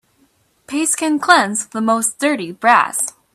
Paste can cleanse the most dirty brass.